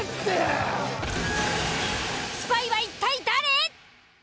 スパイは一体誰！？